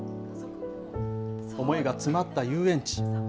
思いが詰まった遊園地。